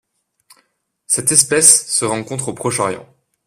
Cette espèce se rencontre au Proche-Orient.